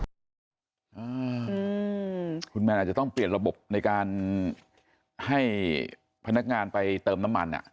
อืมคุณแมนอาจจะต้องเปลี่ยนระบบในการให้พนักงานไปเติมน้ำมันอ่ะ